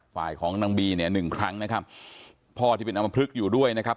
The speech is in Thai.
ของนางบีเนี่ยหนึ่งครั้งนะครับพ่อที่เป็นอำมพลึกอยู่ด้วยนะครับ